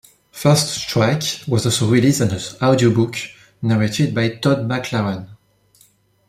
"First Strike" was also released as an audiobook, narrated by Todd McLaren.